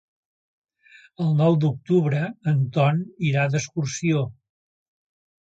El nou d'octubre en Ton irà d'excursió.